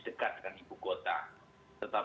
dekat dengan ibu kota